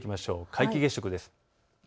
皆既月食です。